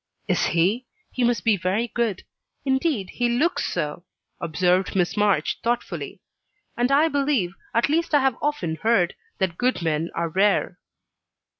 "Is he? He must be very good. Indeed, he looks so," observed Miss March, thoughtfully. "And I believe at least I have often heard that good men are rare."